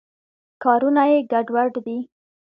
کارونه یې ګډوډ دي.